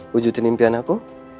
wujudin impian aku